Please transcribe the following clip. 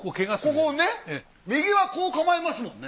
ここね右はこう構えますもんね。